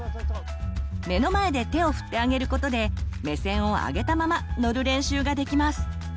目の前で手を振ってあげることで目線を上げたまま乗る練習ができます。